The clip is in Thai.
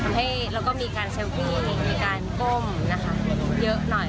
ทำให้เราก็มีการเซลฟี่มีการก้มเยอะหน่อย